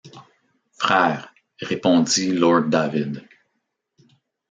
Frères, répondit lord David.